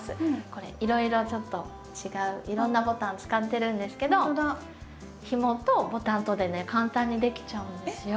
これいろいろちょっと違ういろんなボタン使ってるんですけどひもとボタンとでね簡単にできちゃうんですよ。